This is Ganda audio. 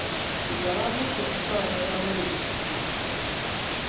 Buli ewabuuka enswa wamerawo obutiko.